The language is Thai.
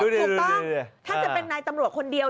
ถูกต้องถ้าจะเป็นนายตำรวจคนเดียว